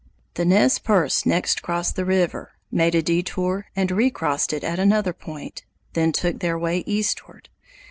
The Nez Perces next crossed the river, made a detour and recrossed it at another point, then took their way eastward.